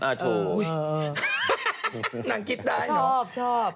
อ่ะถูกนางกิจได้เนอะชอบ